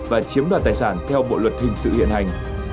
và chiếm đoạt tài sản theo bộ luật hình sự hiện hành